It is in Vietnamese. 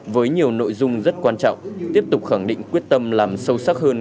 với nhiều nội dung rất quan trọng tiếp tục khẳng định quyết tâm làm sâu sắc hơn